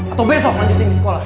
atau besok lanjutin di sekolah